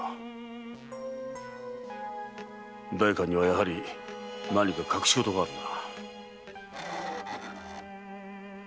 代官にはやはり何か隠しごとがあるな。